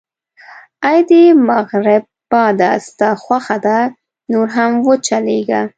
اې د مغرب باده، ستا خوښه ده، نور هم و چلېږه.